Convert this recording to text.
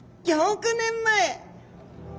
５億年前？